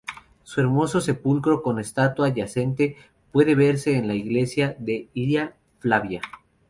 Su hermoso sepulcro con estatua yacente puede verse en la iglesia de Iria Flavia.